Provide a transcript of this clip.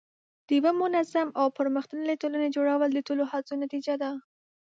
د یوه منظم او پرمختللي ټولنې جوړول د ټولو هڅو نتیجه ده.